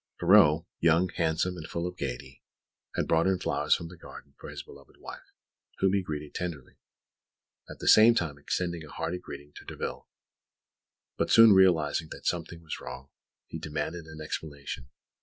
Ferraud, young, handsome, and full of gaiety, had brought in flowers from the garden for his beloved wife, whom he greeted tenderly, at the same time extending a hearty greeting to Derville; but soon realising that something was wrong, he demanded an explanation.